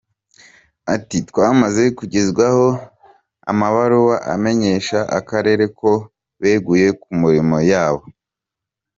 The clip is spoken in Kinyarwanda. Ati “Twamaze kugezwaho amabaruwa amenyesha akarere ko beguye ku mirimo yabo.